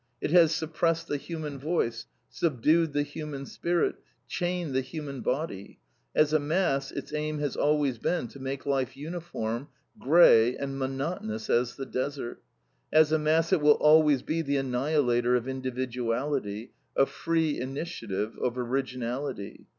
It has suppressed the human voice, subdued the human spirit, chained the human body. As a mass its aim has always been to make life uniform, gray, and monotonous as the desert. As a mass it will always be the annihilator of individuality, of free initiative, of originality.